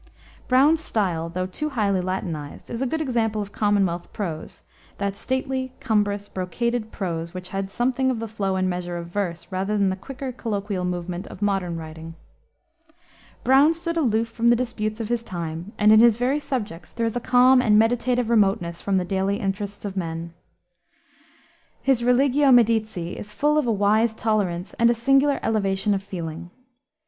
Browne's style, though too highly Latinized, is a good example of Commonwealth prose, that stately, cumbrous, brocaded prose, which had something of the flow and measure of verse, rather than the quicker, colloquial movement of modern writing. Browne stood aloof from the disputes of his time, and in his very subjects there is a calm and meditative remoteness from the daily interests of men. His Religio Medici is full of a wise tolerance and a singular elevation of feeling.